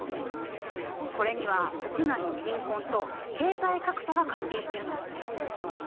これには国内の貧困と経済格差が関係してるの。